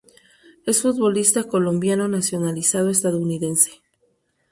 Es un futbolista colombiano nacionalizado estadounidense.